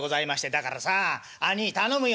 「だからさあ兄い頼むよ」。